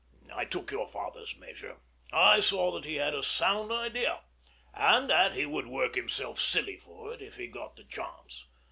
I took your father's measure. I saw that he had a sound idea, and that he would work himself silly for it if he got the chance.